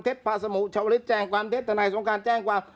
พาสมุชาวลิศแจ้งความเท็จทนายสงการแจ้งความ